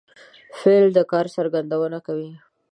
فعل د کار څرګندونه کوي.